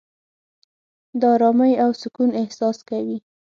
د آرامۍ او سکون احساس کوې.